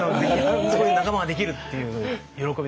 そこに仲間ができるっていう喜び。